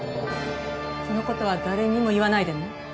この事は誰にも言わないでね。